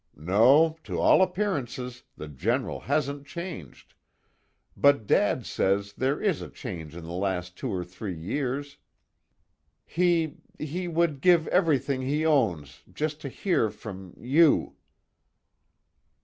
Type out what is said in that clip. No, to all appearances, the General hasn't changed but, dad says there is a change in the last two or three years. He he would give everything he owns just to hear from you."